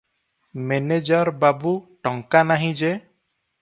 Manager ବାବୁ, "ଟଙ୍କା ନାହିଁ ଯେ ।"